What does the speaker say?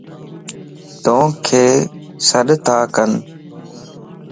توک سڏتاڪن